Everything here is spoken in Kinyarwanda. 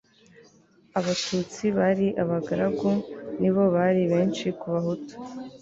abatutsi bari abagaragu ni bo bari benshi ku bahutu